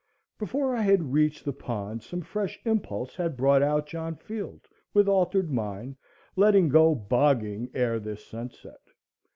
Before I had reached the pond some fresh impulse had brought out John Field, with altered mind, letting go "bogging" ere this sunset.